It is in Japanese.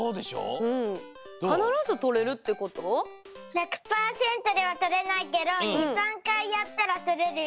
１００パーセントではとれないけど２３かいやったらとれるよ。